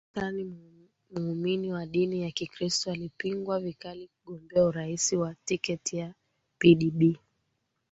jonathan muumini wa dini ya kikristo alipingwa vikali kugombea urais kwa tiketi ya pdb